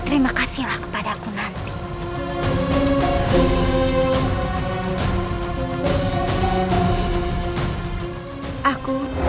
terima kasih lah kepadaku nanti